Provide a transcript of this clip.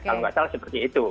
kalau nggak salah seperti itu